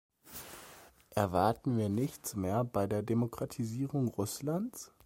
Erwarten wir nichts mehr bei der Demokratisierung Russlands?